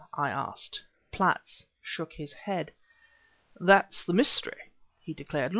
I asked. Platts shook his head. "That's the mystery," he declared.